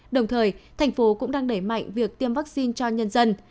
đồng thời thành phố cũng đang đẩy mạnh việc tiêm vaccine cho nhân dân